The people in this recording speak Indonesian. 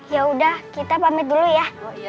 yaudah kita pamit dulu ya